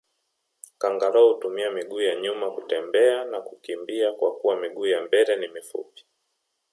Kangaroo hutumia miguu ya nyuma kutembea na kukimbia kwakuwa miguu ya mbele ni mifupi